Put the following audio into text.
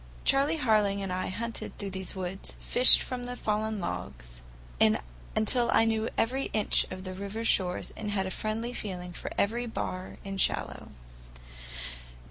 Charley Harling and I had hunted through these woods, fished from the fallen logs, until I knew every inch of the river shores and had a friendly feeling for every bar and shallow.